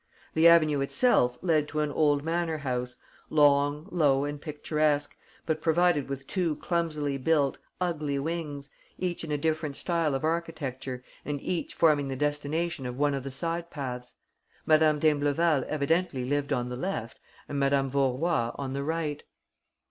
The avenue itself led to an old manor house, long, low and picturesque, but provided with two clumsily built, ugly wings, each in a different style of architecture and each forming the destination of one of the side paths. Madame d'Imbleval evidently lived on the left and Madame Vaurois on the right.